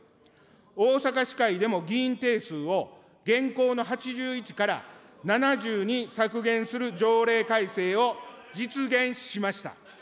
大阪市会でも議員定数を現行の８１から７０に削減する条例改正を実現しました。